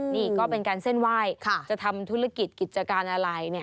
นี่ก็เป็นการเส้นไหว้จะทำธุรกิจกิจการอะไรเนี่ย